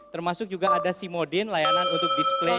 termasuk juga ada simodin layanan untuk display